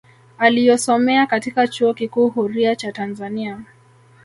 Aliyosomea katika chuo kikuu huria cha Tanzania